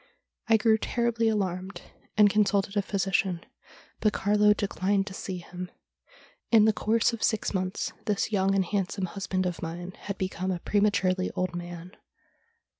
I grew terribly alarmed, and consulted a physician, but Carlo declined to see him. In the course of six months this young and handsome husband of mine had become a prematurely old man.